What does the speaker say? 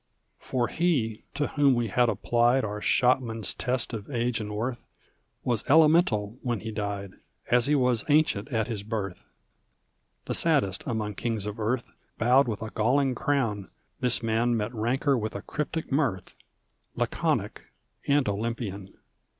For he, to whom we had applied Our shopman's test of age and worth, Was elemental when he died, As he was ancient at his birth: The saddest among kings of earth. Bowed with a galling crown, this man Met rancor with a cryptic mirth. Laconic — ^and Olympian.